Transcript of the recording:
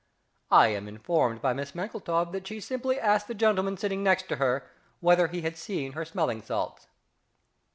I am informed by Miss MANKLETOW that she simply asked the gentleman sitting next to her whether he had seen her smelling salts!